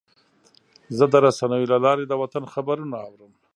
زه د رسنیو له لارې د وطن خبرونه اورم.